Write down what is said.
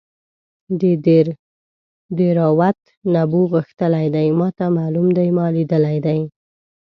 د دیراوت نبو غښتلی دی ماته معلوم دی ما لیدلی دی.